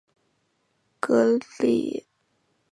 格里利也因此成为了美国新闻史上杰出报人之一。